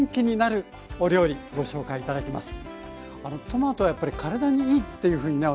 トマトはやっぱり体にいいっていうふうにね